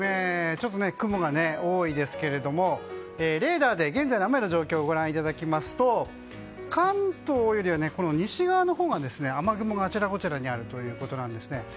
雲が多いですけれどもレーダーで現在の雨の状況をご覧いただきますと関東よりは西側のほうが雨雲があちらこちらにあります。